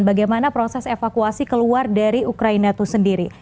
bagaimana proses evakuasi keluar dari ukraina itu sendiri